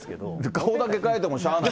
顔だけ変えてもしゃーないって。